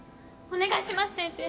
お願いします先生！